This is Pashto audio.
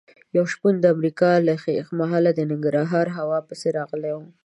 یو شپون د امریکا له ښیښ محله د ننګرهار هوا پسې راغلی و.